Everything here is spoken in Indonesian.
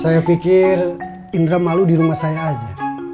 saya pikir indra malu di rumah saya aja